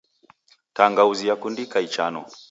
Tangauzi yakundika ichano.